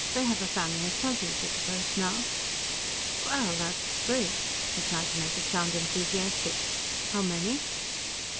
"They have a family of Fuzzies at the post now." "Well, that's great." He tried to make it sound enthusiastic. "How many?"